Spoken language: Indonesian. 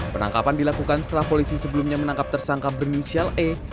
penangkapan dilakukan setelah polisi sebelumnya menangkap tersangka berinisial e